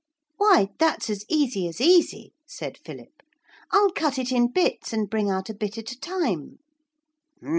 'Why that's as easy as easy,' said Philip. 'I'll cut it in bits and bring out a bit at a time.'